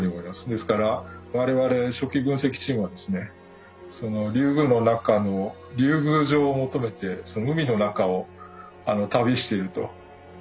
ですから我々初期分析チームはですねそのリュウグウの中の竜宮城を求めて海の中を旅してると。